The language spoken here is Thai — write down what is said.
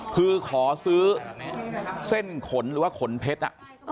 คือขอซื้อเส้นขนหรือว่าขนเพชร